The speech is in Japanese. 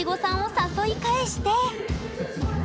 誘い返して。